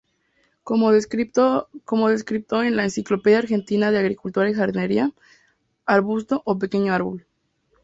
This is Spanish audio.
Como descripto en la "Enciclopedia Argentina de Agricultura y Jardinería": "Arbusto o pequeño árbol.